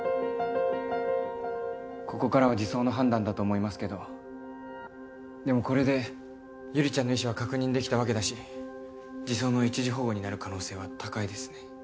ここからは児相の判断だと思いますけどでもこれで悠里ちゃんの意思は確認できたわけだし児相の一時保護になる可能性は高いですね。